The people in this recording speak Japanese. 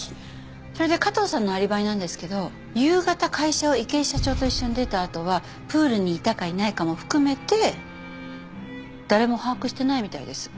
それで加藤さんのアリバイなんですけど夕方会社を池井社長と一緒に出たあとはプールにいたかいないかも含めて誰も把握してないみたいです。